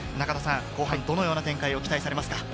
後半どのような展開を期待されますか？